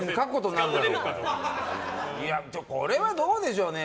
これはどうでしょうね。